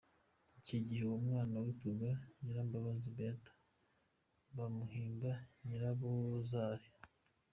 Icyo gihe uwo mwana yitwaga Nyirambabazi Beata bamuhimba Nyirabuzari.